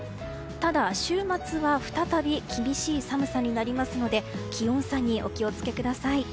ただ、週末は再び厳しい寒さになりますので気温差にお気を付けください。